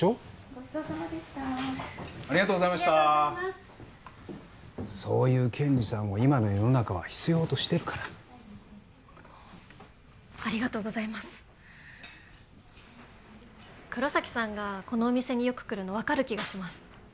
ごちそうさまでしたありがとうございましたそういう検事さんを今の世の中は必要としてるからありがとうございます黒崎さんがこのお店によく来るの分かる気がします